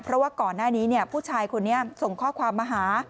เพราะว่าก่อนหน้านี้ผู้ชายคนนี้ส่งข้อความมาหา